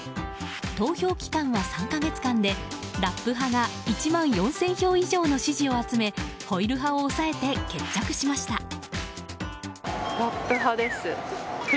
投票期間は３か月間でラップ派が１万４０００票以上の支持を集めホイル派を抑えて決着しました。